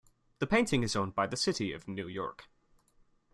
The painting is owned by the City of New York.